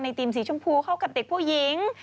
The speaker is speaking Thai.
ทีมสีชมพูเข้ากับเด็กผู้หญิง